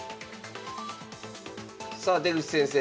さあ出口先生